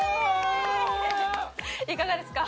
「いかがですか？」